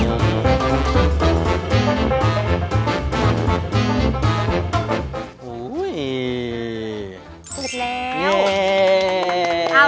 สุดแล้ว